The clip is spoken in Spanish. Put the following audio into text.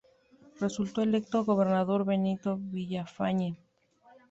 Resultó electo gobernador Benito Villafañe.